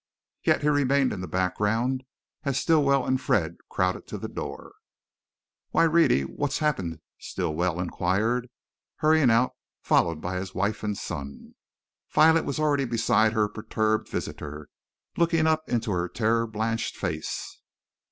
Yet he remained in the background as Stilwell and Fred crowded to the door. "Why, Rhetty! what's happened?" Stilwell inquired, hurrying out, followed by his wife and son. Violet was already beside her perturbed visitor, looking up into her terror blanched face.